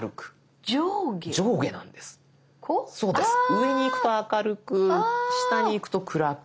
上にいくと明るく下にいくと暗く。